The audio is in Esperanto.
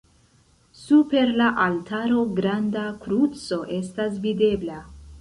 Super la altaro granda kruco estas videbla.